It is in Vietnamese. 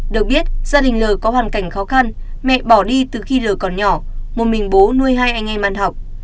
được biết gia đình l có hoàn cảnh khó khăn mẹ bỏ đi từ khi lờ còn nhỏ một mình bố nuôi hai anh em ăn học